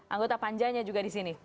anggota panjanya juga di sini